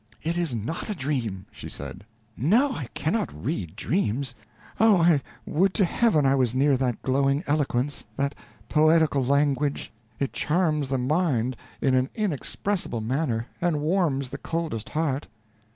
"It is not a dream!" she said, "no, I cannot read dreams. Oh! I would to Heaven I was near that glowing eloquence that poetical language it charms the mind in an inexpressible manner, and warms the coldest heart."